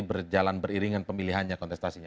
berjalan beriringan pemilihannya kontestasinya